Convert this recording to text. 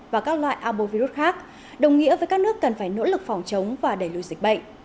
và các loại albovirus khác đồng nghĩa với các nước cần phải nỗ lực phòng chống và đẩy lùi dịch bệnh